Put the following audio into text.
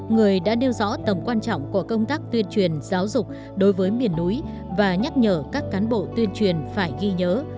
người đã nêu rõ tầm quan trọng của công tác tuyên truyền giáo dục đối với miền núi và nhắc nhở các cán bộ tuyên truyền phải ghi nhớ